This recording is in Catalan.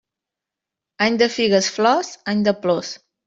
Any de figues-flors, any de plors.